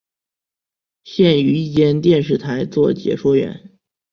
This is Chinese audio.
现于一间电视台做解说员。